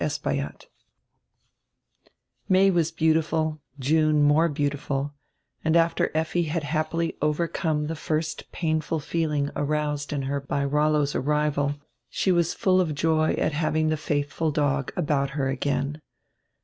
CHAPTER XXXVI MAY was beautiful, June more beautiful, and after Effi had happily overcome die first painful feeling aroused in her by Rollo's arrival, she was full of joy at having the faithful dog about her again.